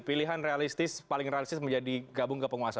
pilihan realistis paling realistis menjadi gabung ke penguasa